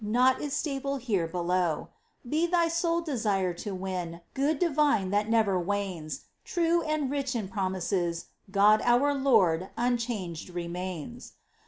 Naught is stable here below. Be thy sole desire to win Good divine that never wanes ; True and rich in promises, God our Lord unchanged remains.